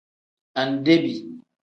Andebi.